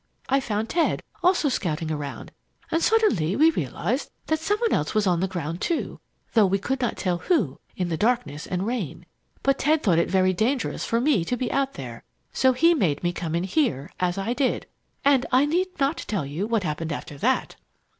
I found Ted also scouting around, and suddenly we realized that some one else was on the ground too, though we could not tell who, in the darkness and rain. But Ted thought it very dangerous for me to be out there, so he made me come in here, as I did. And I need not tell you what happened after that!"